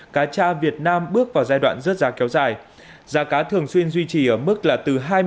cá tra việt nam bước vào giai đoạn rớt giá kéo dài giá cá thường xuyên duy trì ở mức là từ hai mươi